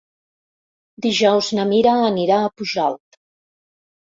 Dijous na Mira anirà a Pujalt.